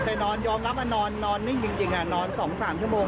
เสร็จน้อยอมรับนอนนิ่งนอน๒๓ชั่วโมง